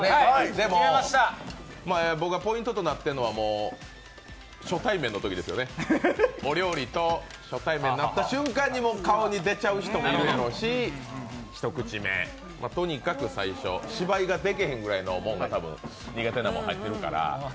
でも、僕はポイントとなってるのは初対面のときですよね、お料理と初対面になった瞬間に顔にでちゃう人もいるだろうし一口目、とにかく最初芝居ができへんぐらいの苦手なもん入ってるから。